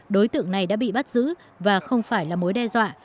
đối tượng này đã bị bắt giữ và không phải là mối đe dọa